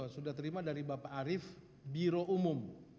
sudah terima dari bapak arief biro umum